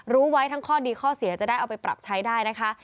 รู้ไว้ทั้งข้อดีข้อเสียจะได้เอาไปปรับใช้ได้นะคะ